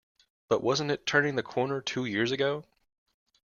But wasn't it turning the corner two years ago?